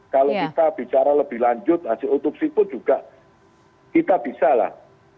kalau kita bicara lebih lanjut hasil otopsi pun juga kita bisa lah